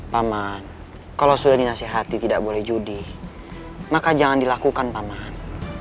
paman kalau sudah dinasihati tidak boleh judi maka jangan dilakukan paman